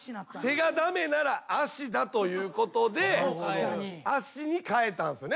手が駄目なら足だということで足に変えたんですよね。